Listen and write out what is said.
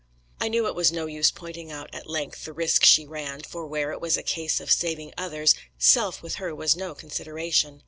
"I knew it was no use pointing out at length the risk she ran, for where it was a case of saving others, self with her was no consideration.